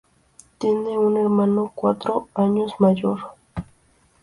Tiene un hermano cuatro años mayor.